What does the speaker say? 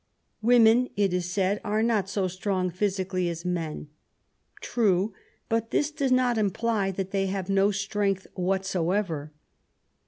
Women, it is said, are not so strong physically as men. True ; but this does not imply that they have no strength whatsoever.